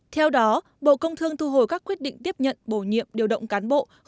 theo đó bộ công thương thu hồi các quyết định tiếp nhận bổ nhiệm điều động cán bộ